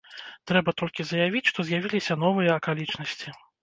Трэба толькі заявіць, што з'явіліся новыя акалічнасці.